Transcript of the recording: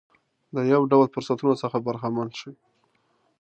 له یو ډول فرصتونو څخه برخمن شي.